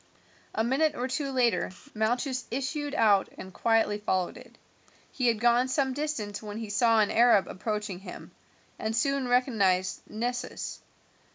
A minute or two later Malchus issued out and quietly followed it. He had gone some distance when he saw an Arab approaching him, and soon recognized Nessus.